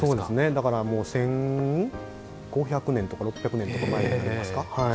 だから、１５００年とか１６００年とか前になりますね。